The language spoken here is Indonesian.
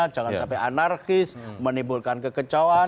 jangan sampai anarkis menimbulkan kekecauan